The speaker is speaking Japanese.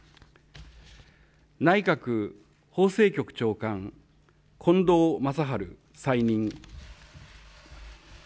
内閣法制局長官、近藤正春、再任。